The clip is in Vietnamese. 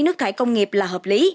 nước thải công nghiệp là hợp lý